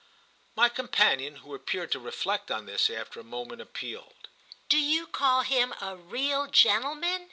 My companion, who appeared to reflect on this, after a moment appealed. "Do you call him a real gentleman?"